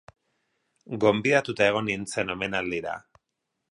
Gonbidatuta egon nintzen omenaldira.